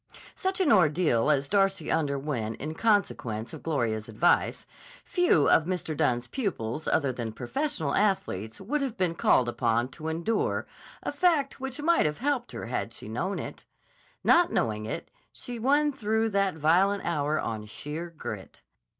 Such an ordeal as Darcy underwent in consequence of Gloria's advice, few of Mr. Dunne's pupils other than professional athletes would have been called upon to endure, a fact which might have helped her had she known it. Not knowing it, she won through that violent hour on sheer grit.